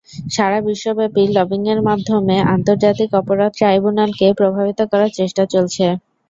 সারা বিশ্বব্যাপী লবিংয়ের মাধ্যমে আন্তর্জাতিক অপরাধ ট্রাইব্যুনালকে প্রভাবিত করার চেষ্টা চলছে।